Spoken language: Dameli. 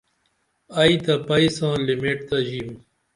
ائی تہ پئی ساں لِمیٹ تہ ژیم